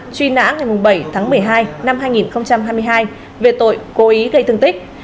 truy nã ngày bảy tháng một mươi hai năm hai nghìn hai mươi hai về tội cố ý gây thương tích